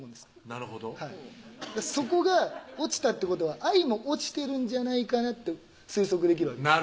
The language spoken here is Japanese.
なるほどそこが落ちたってことは愛も落ちてるんじゃないかなと推測できるわけです